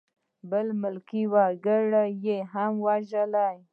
بلکې ملکي وګړي یې هم ووژل.